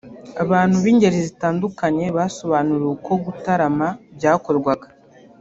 Abantu b’ingeri zitandukanye basobanuriwe uko gutarama byakorwaga